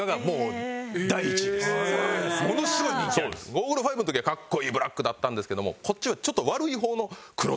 『ゴーグルファイブ』の時はかっこいいブラックだったんですけどもこっちはちょっと。